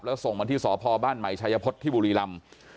แล้วส่งมาที่สพบ้านใหม่ชายพฤษที่บุรีรำ